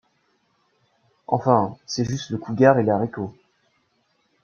Enfin, c'est juste le couguar et les haricots.